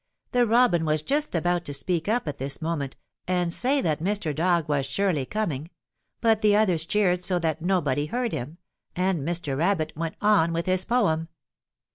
The Robin was just about to speak up at this moment and say that Mr. Dog was surely coming, but the others cheered so that nobody heard him, and Mr. Rabbit went on with his poem.